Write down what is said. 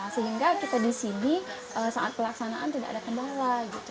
sehingga kita di sini saat pelaksanaan tidak ada kendala gitu